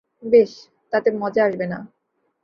বেশ, তাতে মজা আসবে না।